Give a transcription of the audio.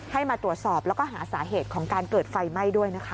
มาตรวจสอบแล้วก็หาสาเหตุของการเกิดไฟไหม้ด้วยนะคะ